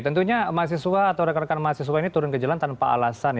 tentunya mahasiswa atau rekan rekan mahasiswa ini turun ke jalan tanpa alasan